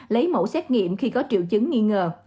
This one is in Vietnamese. lấy mẫu xét nghiệm khi có triệu chứng nghi ngờ